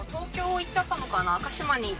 豕行っちゃったのかな？